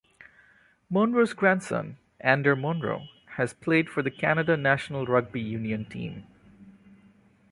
Monro's grandson, Ander Monro, has played for the Canada national rugby union team.